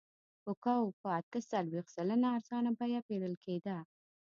کوکو په اته څلوېښت سلنه ارزانه بیه پېرل کېده.